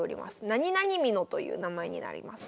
なになに美濃という名前になります。